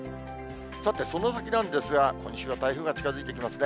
さて、その先なんですが、今週は台風が近づいてきますね。